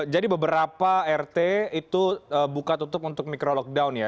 jadi beberapa rt itu buka tutup untuk mikro lockdown ya